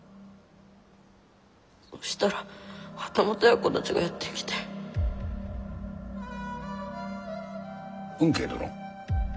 そしたら旗本奴たちがやって来て。吽慶殿？